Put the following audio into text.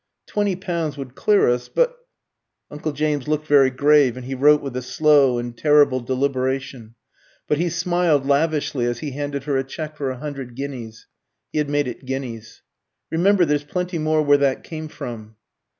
"Twenty pounds would clear us; but " Uncle James looked very grave, and he wrote with a slow and terrible deliberation. But he smiled lavishly as he handed her a cheque for a hundred guineas. He had made it guineas. "Remember, there's plenty more where that came from."